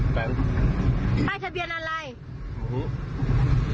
แป๊บได้ทะเบียนอะไรอื้อฮือ